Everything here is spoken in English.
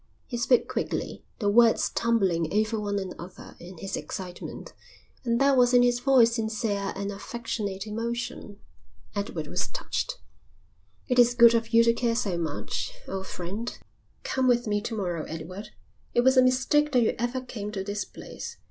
He spoke quickly, the words tumbling over one another in his excitement, and there was in his voice sincere and affectionate emotion. Edward was touched. "It is good of you to care so much, old friend." "Come with me to morrow, Edward. It was a mistake that you ever came to this place.